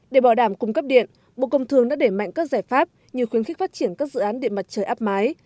để bỏ đảm cung cấp điện bộ công thương đã để mạnh các giải pháp như khuyến khích phát triển các dự án điện mặt trời áp mái